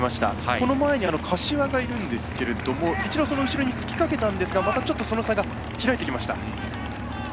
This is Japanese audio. この前に柏がいるんですけど一度、後ろにつきかけたんですがまた、その差が開いてきました。